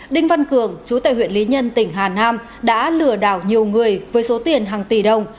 đinh văn cường chú tại huyện lý nhân tỉnh hà nam đã lừa đảo nhiều người với số tiền hàng tỷ đồng